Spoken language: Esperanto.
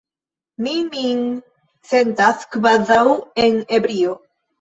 Mi min sentas kvazaŭ en ebrio.